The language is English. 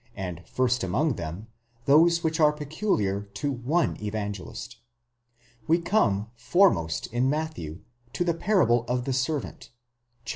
and first among them, those which are peculiar to one Evangelist. We come foremost in Matthew to the parable of the servant (xvili.